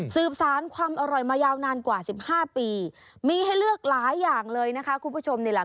สืบสารความอร่อยมายาวนานกว่า๑๕ปีมีให้เลือกหลายอย่างเลยนะคะคุณผู้ชมนี่แหละ